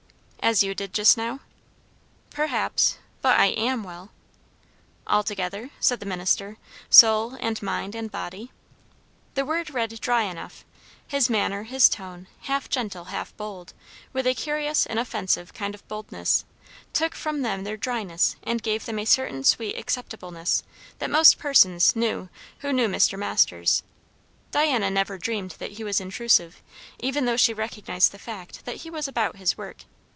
"As you did just now?" "Perhaps but I am well." "Altogether?" said the minister. "Soul and mind and body?" The word read dry enough; his manner, his tone, half gentle, half bold, with a curious inoffensive kind of boldness, took from them their dryness and gave them a certain sweet acceptableness that most persons knew who knew Mr. Masters. Diana never dreamed that he was intrusive, even though she recognised the fact that he was about his work.